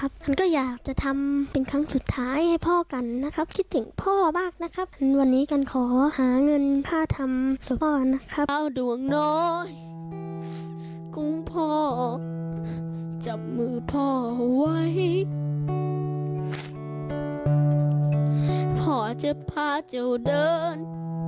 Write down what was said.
พ่อจะพาเจ้าเดิน